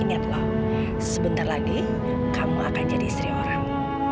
iniat loh sebentar lagi kamu akan jadi istri orang